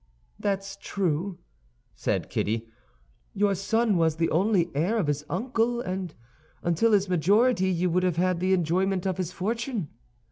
"That's true," said Kitty; "your son was the only heir of his uncle, and until his majority you would have had the enjoyment of his fortune."